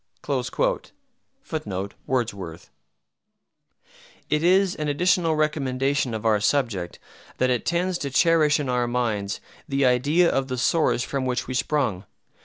[Footnote: Wordsworth] It is an additional recommendation of our subject, that it tends to cherish in our minds the idea of the source from which we sprung.